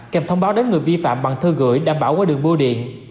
kèm thông báo đến người vi phạm bằng thơ gửi đảm bảo qua đường mua điện